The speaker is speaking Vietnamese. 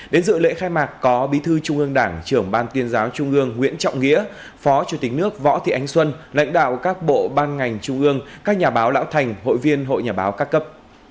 đến dự lễ khai mạc có bí thư trung ương đảng trưởng ban tuyên giáo trung ương nguyễn trọng nghĩa phó chủ tịch nước võ thị ánh xuân lãnh đạo các bộ ban ngành trung ương các nhà báo lão thành hội viên hội nhà báo các cấp